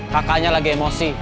kakaknya lagi emosi